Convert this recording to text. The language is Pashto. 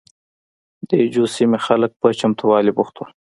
د اي جو سیمې خلک په چمتوالي بوخت وو.